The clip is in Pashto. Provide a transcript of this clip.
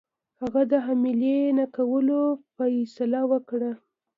هغه د حملې نه کولو فیصله وکړه.